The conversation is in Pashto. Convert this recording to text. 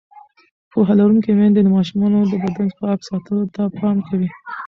پوهه لرونکې میندې د ماشومانو د بدن پاک ساتلو ته پام کوي.